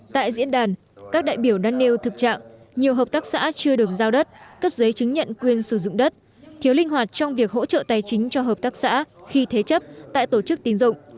tại diễn đàn các đại biểu đắn nêu thực trạng nhiều hợp tác xã chưa được giao đất cấp giấy chứng nhận quyền sử dụng đất thiếu linh hoạt trong việc hỗ trợ tài chính cho hợp tác xã khi thế chấp tại tổ chức tín dụng